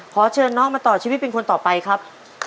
ขอเชิญน้องมาต่อชีวิตเป็นคนต่อไปครับ